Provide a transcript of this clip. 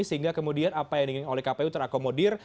sehingga kemudian apa yang diinginkan oleh kpu terakomodir